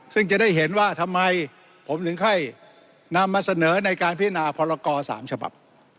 ซึ่งจะได้เห็นว่าทำไมผมถึงค่อยนำมาเสนอในการพิจารณาพรกร๓ฉบับ